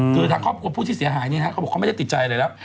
คือทางครอบครัวผู้ที่เสียหายเขาบอกเขาไม่ได้ติดใจอะไรแล้ว